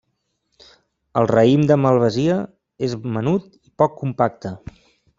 El raïm de malvasia és menut i poc compacte.